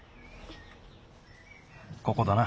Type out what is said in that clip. ここだな。